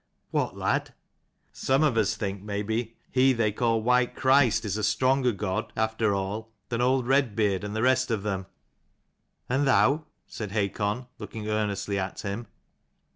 " What, lad ?"" I was but saying that some of us think maybe he they call White Christ is a stronger god after all than old Redbeard and the rest of them." ' And thou ?" said Hakon, looking earnestly at him.